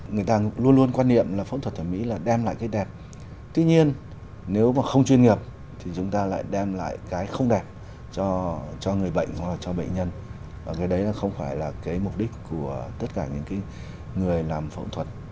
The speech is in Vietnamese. người ta luôn luôn quan niệm là phẫu thuật thẩm mỹ là đem lại cái đẹp tuy nhiên nếu mà không chuyên nghiệp thì chúng ta lại đem lại cái không đẹp cho người bệnh hoặc là cho bệnh nhân và cái đấy nó không phải là cái mục đích của tất cả những người làm phẫu thuật